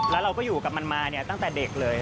แล้วเราก็อยู่กับมันมาเนี่ยตั้งแต่เด็กเลย